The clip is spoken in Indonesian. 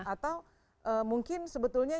atau mungkin sebetulnya